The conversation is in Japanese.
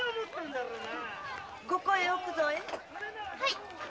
ここへ置くぞえ。